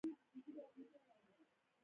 تور پوستي مزدوري وکړي.